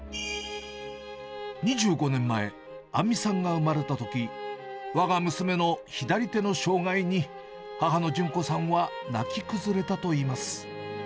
２５年前、杏実さんが産まれたとき、わが娘の左手の障がいに、母の純子さんは泣き崩れたといいます。